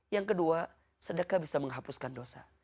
yang kedua sedekah bisa menghapuskan dosa